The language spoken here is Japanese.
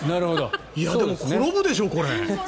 でも、転ぶでしょうこれ。